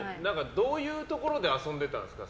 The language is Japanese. どういうところで遊んでたんですか？